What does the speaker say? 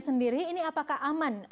sendiri ini apakah aman